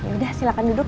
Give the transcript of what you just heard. yaudah silahkan duduk